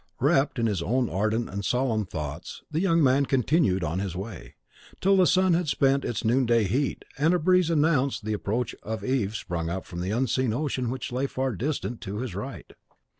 Wrapped in his own ardent and solemn thoughts, the young man continued his way, till the sun had spent its noonday heat, and a breeze that announced the approach of eve sprung up from the unseen ocean which lay far distant to his right.